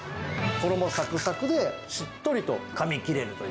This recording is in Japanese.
衣さくさくで、しっかりとかみ切れるという。